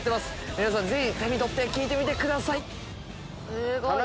皆さんぜひ手に取って聴いてみてください。